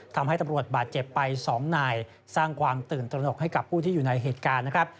ทำให้ตำรวจบาดเจ็บไป๒นายสร้างความตื่นตระหนกให้กับผู้ที่อยู่ในเหตุการณ์นะครับ